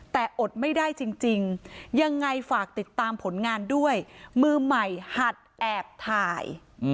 แต่อดไม่ได้จริงยังไงฝากติดตามผลงานด้วยมือใหม่หัดแอบถ่าย